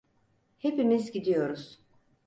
Hepimiz gidiyoruz.